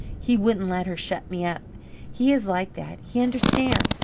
He wouldn't let her shut me up! He is like that he understands!